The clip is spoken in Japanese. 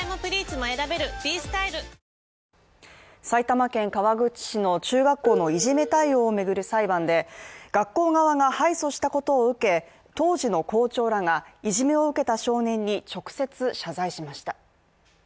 埼玉県川口市の中学校のいじめ対応をめぐる裁判で、学校側が敗訴したことを受け、当時の校長らがいじめを受けた少年に直接謝罪しました。